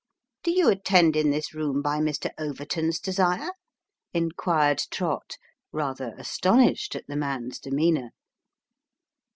" Do you attend in this room by Mr. Overton's desire ?" inquired Trott, rather astonished at the man's demeanour.